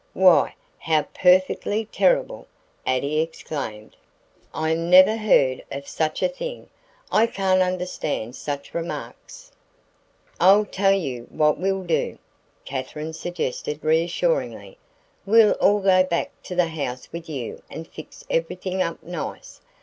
"Why, how perfectly terrible!" Addie exclaimed. "I never heard of such a thing. I can't understand such remarks." "I'll tell you what we'll do," Katherine suggested reassuringly. "We'll all go back to the house with you and fix everything up nice.